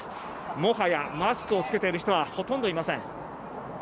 もはやマスクを着けている人はほとんどいません。